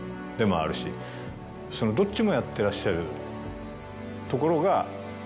そのどっちもやってらっしゃるところが。